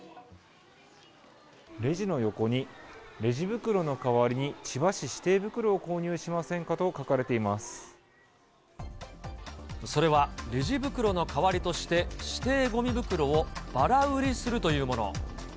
レジの横に、レジ袋の代わりに千葉市指定袋を購入しませんか？と書かれていまそれはレジ袋の代わりとして、指定ごみ袋をばら売りするというもの。